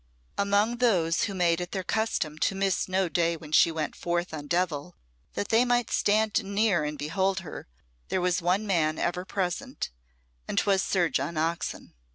Among those who made it their custom to miss no day when she went forth on Devil that they might stand near and behold her, there was one man ever present, and 'twas Sir John Oxon.